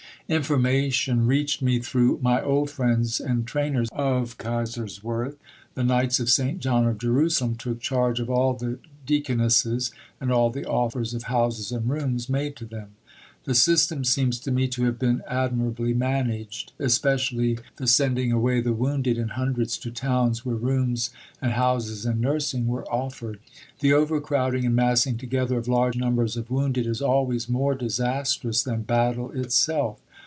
Information reached me through my old friends and trainers of Kaiserswerth. The Knights of St. John of Jerusalem took charge of all the Deaconesses and all the offers of houses and rooms made to them. The system seems to me to have been admirably managed especially the sending away the wounded in hundreds to towns where rooms and houses and nursing were offered. The overcrowding and massing together of large numbers of wounded is always more disastrous than battle itself.